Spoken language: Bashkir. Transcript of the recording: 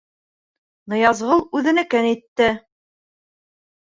Ныязғол үҙенекен итте.